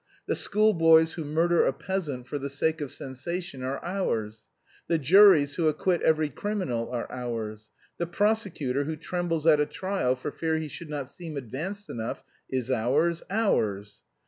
The schoolboys who murder a peasant for the sake of sensation are ours. The juries who acquit every criminal are ours. The prosecutor who trembles at a trial for fear he should not seem advanced enough is ours, ours.